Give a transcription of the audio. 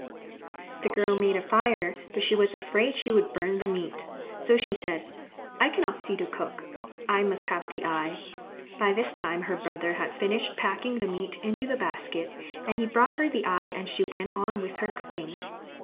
The girl made a fire, but she was afraid she would burn the meat, so she said, "I cannot see to cook. I must have the eye." By this time her brother had finished packing the meat into the basket, and he brought her the eye and she went on with her cooking.